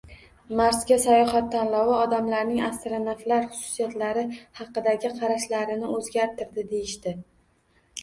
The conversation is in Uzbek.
Marsga sayohat tanlovi odamlarning astronavtlar xususiyatlari haqidagi qarashlarini o’zgartirdi, deyishdi